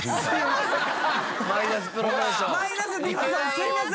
すいません！